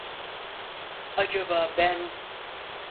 Acaba ben…